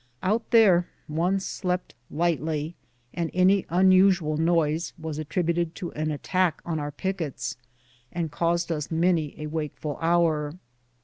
Out there one slept lightly, and any un usual noise was attributed to an attack on our pickets, and caused us many a wakeful hour.